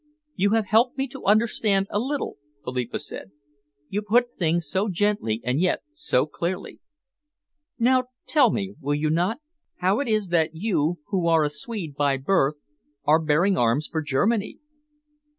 "You have helped me to understand a little," Philippa said. "You put things so gently and yet so clearly. Now tell me, will you not, how it is that you, who are a Swede by birth, are bearing arms for Germany?"